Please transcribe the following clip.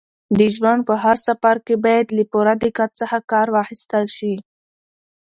د ژوند په هر سفر کې باید له پوره دقت څخه کار واخیستل شي.